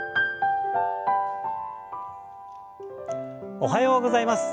おはようございます。